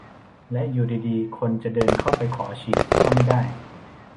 และอยู่ดีดีคนจะเดินเข้าไปขอฉีดก็ไม่ได้